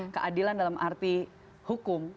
keadilan dalam arti hukum